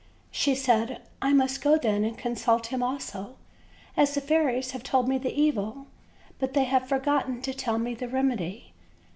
She said: "I must go then and consult him also, as the fairies have told me the evil, but they have forgotten to tell me the remed}."